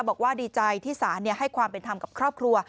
บอกว่าดีใจที่ศาลให้ความเป็นธรรมกับครอบครัว